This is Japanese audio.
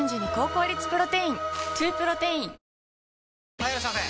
・はいいらっしゃいませ！